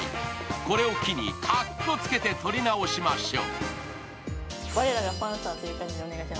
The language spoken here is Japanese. これを機に、かっこつけて撮り直しましょう。